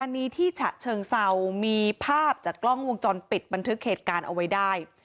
อันนี้ที่ฉะเชิงเศร้ามีภาพจากกล้องวงจรปิดบันทึกเหตุการณ์เอาไว้ได้